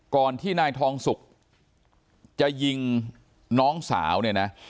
ก่อนที่นายทองสุกจะยิงน้องสาวเนี่ยนะ